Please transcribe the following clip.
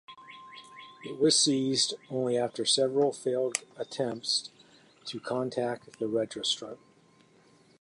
It was seized only after several failed attempts to contact the registrant.